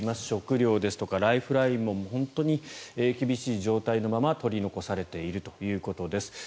食料ですとかライフラインも本当に厳しい状態のまま取り残されているということです。